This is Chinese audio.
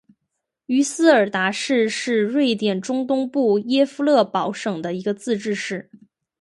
于斯达尔市是瑞典中东部耶夫勒堡省的一个自治市。